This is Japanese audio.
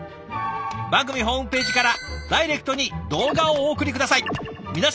番組ホームページからダイレクトに動画をお送り下さい。